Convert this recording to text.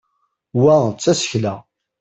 wa d tasekla